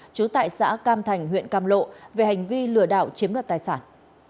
chú tại xã cam thành huyện cam lộ về hành vi lừa đạo chiếm được tài sản